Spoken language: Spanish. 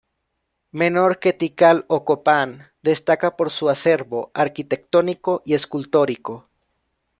Menor que Tikal o Copán, destaca por su acervo arquitectónico y escultórico.